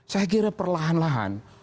saya kira perlahan lahan